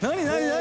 何？